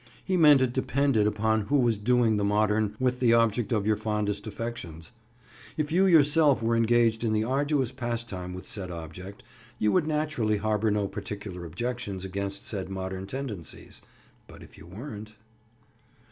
He meant it depended upon who was "doing the modern" with the object of your fondest affections. If you yourself were engaged in the arduous pastime with said object, you would, naturally harbor no particular objections against said modern tendencies, but if you weren't?